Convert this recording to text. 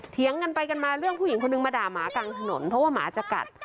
เถียงกันไปกันมาเรื่องผู้หญิงคนนึงมาด่าหมากลางถนนเพราะว่าหมาจะกัด